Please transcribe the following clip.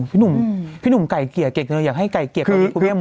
พี่หนุ่มไก่เกลี่ยเก่งกันเลยอยากให้ไก่เกลี่ย